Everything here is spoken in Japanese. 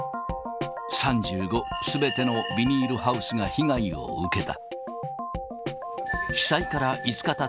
３５すべてのビニールハウスが被害を受けた。